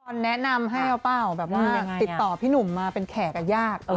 แนะนำให้เอาเปล่าแบบว่าติดต่อพี่หนุ่มมาเป็นแขกยาก